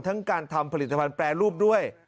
การทำผลิตภัณฑ์แปรรูปด้วย